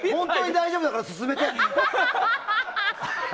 大丈夫だから進めて。